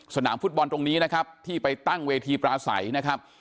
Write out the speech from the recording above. สนามฟุตบอลตรงนี้นะครับที่ไปตั้งเวทีปลาใสนะครับ